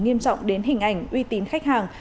nghiêm trọng đến hình ảnh uy tín khách hàng